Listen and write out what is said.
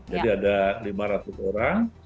jadi ada lima ratus orang